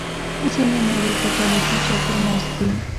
ځینې نور یې پر دولتي چوکیو ناست دي.